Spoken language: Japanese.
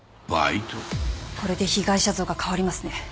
これで被害者像が変わりますね。